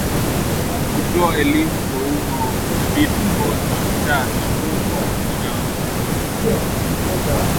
Kutoa elimu kwa umma hudhibiti ugonjwa wa kichaa cha mbwa kwa binadamu